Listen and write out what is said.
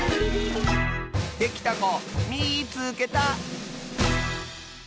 できたこみいつけた！